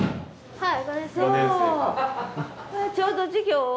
はい。